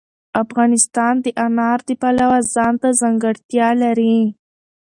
افغانستان د انار د پلوه ځانته ځانګړتیا لري.